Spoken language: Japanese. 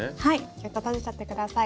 ギュッと閉じちゃって下さい。